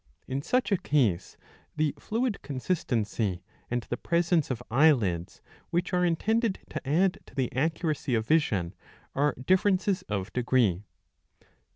In such a case, the fluid consistency and the presence of eyelids, which are intended to add to the accuracy of vision, are differences of degree.'